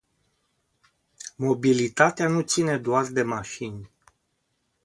Mobilitatea nu ține doar de mașini.